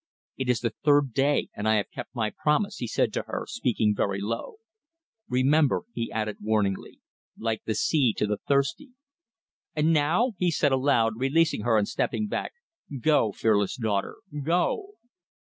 "It is the third day, and I have kept my promise," he said to her, speaking very low. "Remember," he added warningly "like the sea to the thirsty! And now," he said aloud, releasing her and stepping back, "go, fearless daughter, go!"